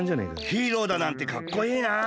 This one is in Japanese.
ヒーローだなんてかっこいいなあ。